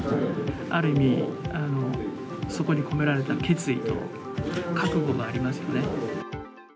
ある意味、そこに込められた決意と覚悟がありますよね。